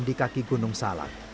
di kaki gunung salam